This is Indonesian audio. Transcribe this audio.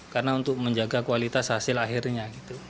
karena untuk menjaga kualitas hasil akhirnya